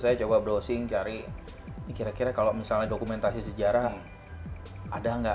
saya coba browsing cari kira kira kalau misalnya dokumentasi sejarah ada nggak